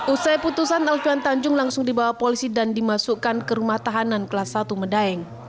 usai putusan alfian tanjung langsung dibawa polisi dan dimasukkan ke rumah tahanan kelas satu medaeng